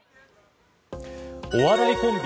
お笑いコンビ